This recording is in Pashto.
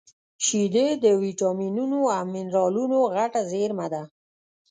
شیدې د ویټامینونو او مینرالونو غټه زېرمه ده